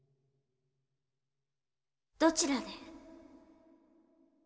どちらで？